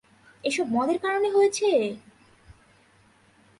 এসব মদের কারণে হয়েছে!